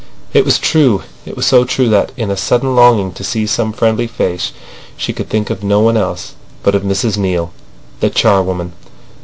It was true. It was so true that, in a sudden longing to see some friendly face, she could think of no one else but of Mrs Neale, the charwoman.